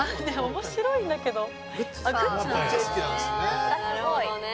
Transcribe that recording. ああなるほどね。